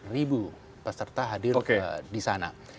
tiga puluh empat ribu peserta hadir di sana